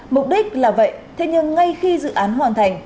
mục đích là vậy thế nhưng ngay khi dự án hoàn thành